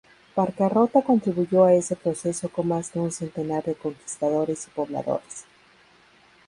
Barcarrota contribuyó a ese proceso con más de un centenar de conquistadores y pobladores.